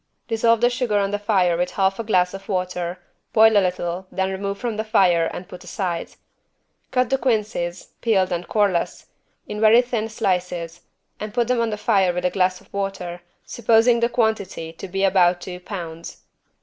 Dissolve the sugar on the fire with half a glass of water, boil a little, then remove from the fire and put aside. Cut the quinces peeled and coreless in very thin slices and put them on the fire with a glass of water, supposing the quantity to be about two pounds.